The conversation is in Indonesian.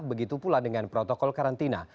begitu pula dengan protokol karantina